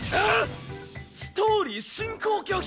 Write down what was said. ストーリー進行拒否！